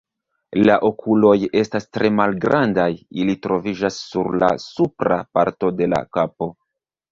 La okuloj estas tre malgrandaj, ili troviĝas sur la supra parto de la kapo.